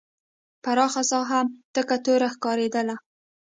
پراخه ساحه تکه توره ښکارېدله.